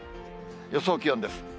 予想気温です。